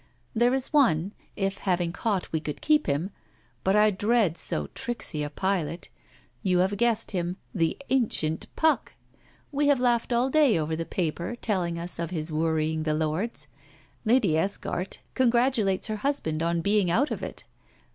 There is one if having caught we could keep him. But I dread so tricksy a pilot. You have guessed him the ancient Puck! We have laughed all day over the paper telling us of his worrying the Lords. Lady Esquart congratulates her husband on being out of it.